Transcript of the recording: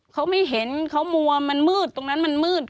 เขาไม่เห็นเขามัวมันมืดตรงนั้นมันมืด